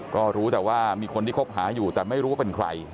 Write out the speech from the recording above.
ก็รู้แต่ว่ามีคนที่คบหาอยู่แต่ไม่รู้ว่าเป็นใคร